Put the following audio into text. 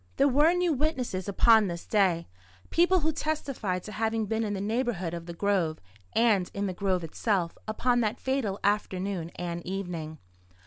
There were new witnesses upon this day, people who testified to having been in the neighbourhood of the grove, and in the grove itself, upon that fatal afternoon and evening.